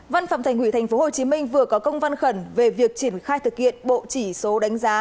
văn phòng thành ủy tp hcm vừa có công văn khẩn về việc triển khai thực hiện bộ chỉ số đánh giá